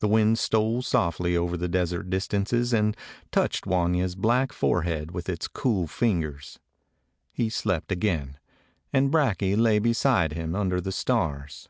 The wind stole softly over the desert distances and touched Wanya's black fore head with its cool fingers. He slept again, and Brakje lay beside him under the stars.